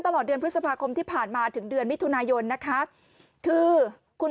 ตลอดเดือนพฤษภาคมที่ผ่านมาถึงเดือนมิถุนายนนะคะคือคุณ